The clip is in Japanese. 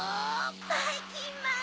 ばいきんまん！